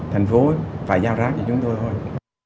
thành phố phải giao rác cho chúng tôi thôi